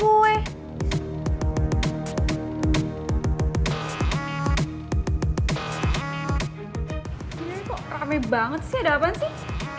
gini kok rame banget sih ada apaan sih